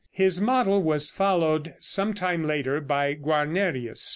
His model was followed some time later by Guarnerius.